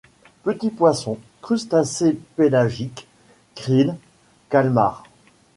Petits poissons, crustacés pélagiques, krill, calmars.